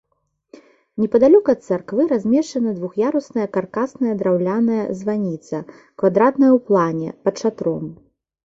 Непадалёк ад царквы размешчана двух'ярусная каркасная драўляная званіца, квадратная ў плане, пад шатром.